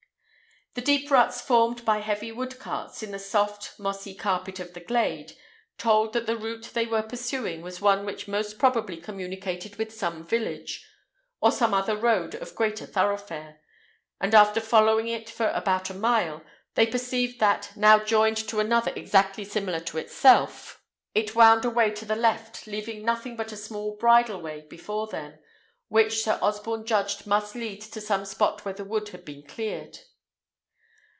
The deep ruts, formed by heavy wood carts in the soft, mossy carpet of the glade, told that the route they were pursuing was one which most probably communicated with some village, or some other road of greater thoroughfare; and after following it for about a mile, they perceived that, now joined to another exactly similar to itself, it wound away to the left, leaving nothing but a small bridle way before them, which Sir Osborne judged must lead to some spot where the wood had been cleared.